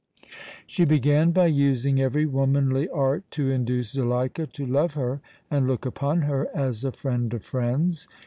She began by using every womanly art to induce Zuleika to love her and look upon her as a friend of friends.